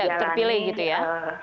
untuk tidak terpilih gitu ya